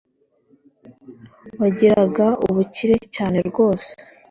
wagiraga ubu kire cyane rwose